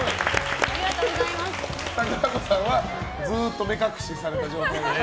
さくらこさんはずっと目隠しされた状態で。